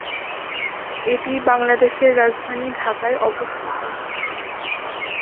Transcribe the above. এটি বাংলাদেশের রাজধানী ঢাকায় অবস্থিত।